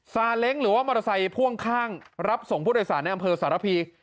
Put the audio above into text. ซาเล้งหรือว่ามอเตอร์ไซค์พ่วงข้างรับส่งผู้โดยสารในอำเภอสารพี